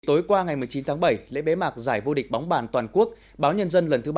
tối qua ngày một mươi chín tháng bảy lễ bế mạc giải vô địch bóng bàn toàn quốc báo nhân dân lần thứ ba